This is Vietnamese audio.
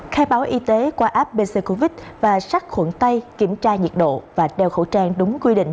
khai báo y tế qua app covid và sát khuẩn tay kiểm tra nhiệt độ và đeo khẩu trang đúng quy định